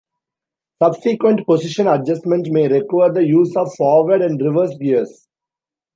Subsequent position adjustment may require the use of forward and reverse gears.